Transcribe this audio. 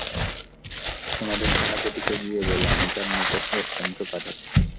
তোমাদের সেনাপতিকে গিয়ে বল, আমি তার নিকট রোস্তমকে পাঠাচ্ছি।